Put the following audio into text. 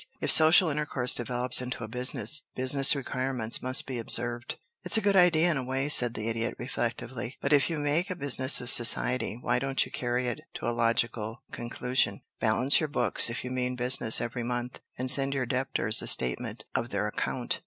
If social intercourse develops into a business, business requirements must be observed." "It's a good idea in a way," said the Idiot, reflectively. "But if you make a business of society, why don't you carry it to a logical conclusion? Balance your books, if you mean business, every month, and send your debtors a statement of their account."